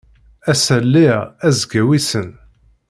Ass-a lliɣ azekka wissen.